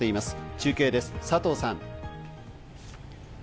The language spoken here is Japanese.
中継です、佐藤さん。